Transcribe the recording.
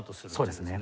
そうですね。